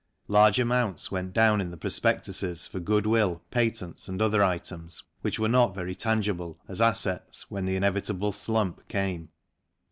Large amounts went down in the prospectuses for goodwill, patents and other items, which were not very tangible as assets when the inevitable slump came.